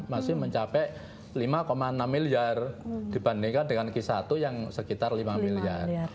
masih mencapai lima enam miliar dibandingkan dengan ki satu yang sekitar lima miliar